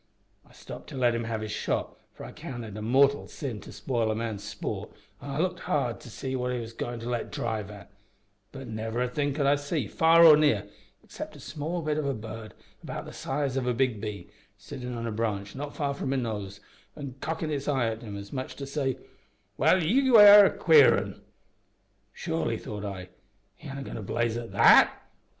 I stopped to let him have his shot, for I count it a mortal sin to spoil a man's sport, an' I looked hard to see what it was he was goin' to let drive at, but never a thing could I see, far or near, except a small bit of a bird about the size of a big bee, sittin' on a branch not far from his nose an' cockin' its eye at him as much as to say, `Well, you air a queer 'un!' `Surely,' thought I, `he ain't a goin' to blaze at that!'